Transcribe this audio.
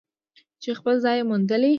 چې خپل ځای یې موندلی.